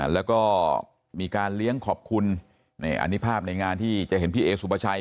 แล้วก็มีการเลี้ยงขอบคุณอันนี้ภาพในงานที่จะเห็นพี่เอสุภาชัย